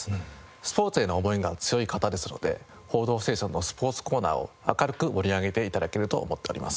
スポーツへの思いが強い方ですので『報道ステーション』のスポーツコーナーを明るく盛り上げて頂けると思っております。